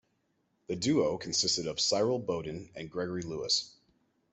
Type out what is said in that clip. The duo consisted of Cyril Bodin and Gregory Louis.